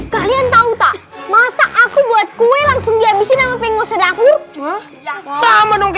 kalian tahu tak masa aku buat kue langsung dihabisin sama penggose dahulu sama dong